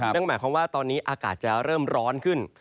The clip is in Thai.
นั่นหมายความว่าตอนนี้อากาศจะเริ่มร้อนขึ้น